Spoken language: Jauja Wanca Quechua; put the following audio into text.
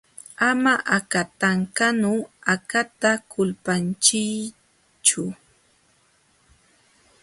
Ama akatanqanu akata kulpachiychu.